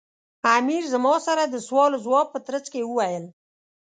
امیر زما سره د سوال و ځواب په ترڅ کې وویل.